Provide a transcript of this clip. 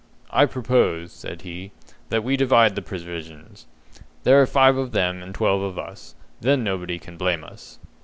"I propose," said he, "that we divide the provisions. There are five of them and twelve of us. Then nobody can blame us."